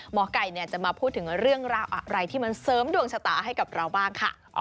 หมอไก่จะมาพูดถึงเรื่องราวอะไรที่มันเสริมดวงชะตาให้กับเราบ้างค่ะ